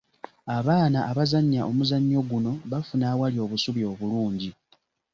Abaana abazannya omuzannyo guno bafuna awali obusubi obulungi.